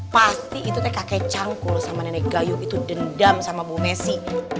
pasti itu kakek cangkul sama nenek gayuk itu dendam sama bu messi